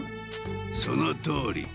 そのとおり。